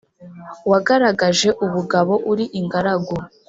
wagaragaje ubugabo uri ingaragu